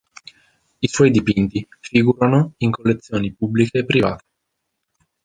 I suoi dipinti figurano in collezioni pubbliche e private.